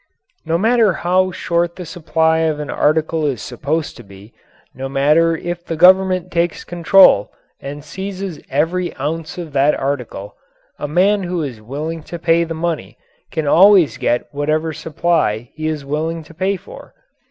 No matter how short the supply of an article is supposed to be, no matter if the Government takes control and seizes every ounce of that article, a man who is willing to pay the money can always get whatever supply he is willing to pay for.